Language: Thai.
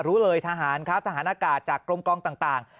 รู้เลยทหารครับทหารอากาศจากกลมกองต่าง